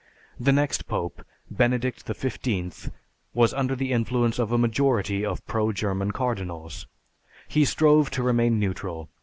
The next Pope, Benedict XV, was under the influence of a majority of pro German cardinals. He strove to remain neutral.